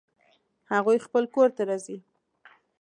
هغوی خپل کور ته راځي